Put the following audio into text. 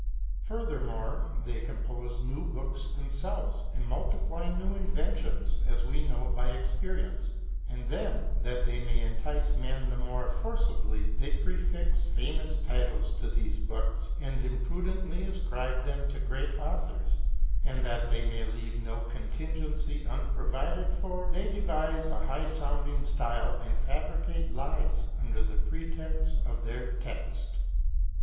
Furthermore, they compose new books themselves, and multiply new inventions, as we know by experience ; and then, that they may entice men the more forcibly, they prefix famous titles to their books, and im pudently ascribe them to great authors ; and that they may leave no contingency unprovided for, they devise a high sounding style, and fabricate lies under the pretense of their text.